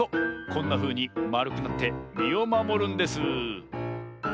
こんなふうにまるくなってみをまもるんです！